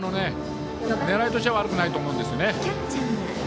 狙いとしては悪くないと思うんですよね。